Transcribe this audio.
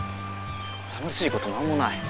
楽しいこと何もない。